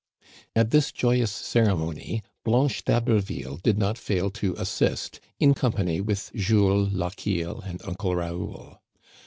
At this joyous ceremony, Blanche d'Haberville did not fail to assist, in company with Jules, Lochiel, and Uncle Raoul.